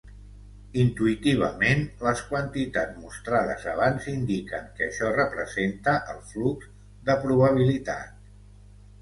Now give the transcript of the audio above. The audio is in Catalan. Intuïtivament, les quantitats mostrades abans indiquen que això representa el flux de probabilitat.